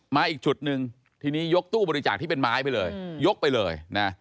มาอีกจุดหนึ่งที่นี้ยกตู้บริจาคที่เป็นไม้ไปเลย